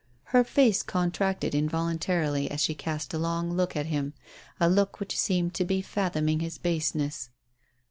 Her face contracted involuntarily as she cast a long look at him, a look which seemed to be fathoming his baseness.